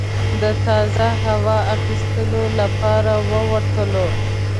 د تازه هوا اخیستلو لپاره ووتلو.